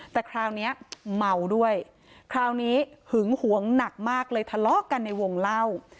แต่คราวนี้เมาด้วยคราวนี้หึงหวงหนักมากเลยทะเลาะกันในวงเล่า